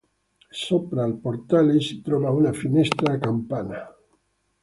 Sopra al portale si trova una finestra a campana.